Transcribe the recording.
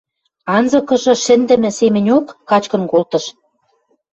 анзыкыжы шӹндӹмӹ семӹньок качкын колтыш.